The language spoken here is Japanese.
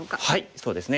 そうですね。